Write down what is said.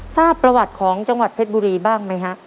ทราบประวัติของจังหวัดเพชรบุรีบ้างไหมฮะ